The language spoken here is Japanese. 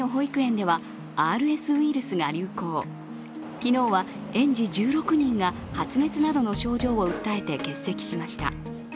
昨日は、園児１６人が発熱などの症状を訴えて欠席しました。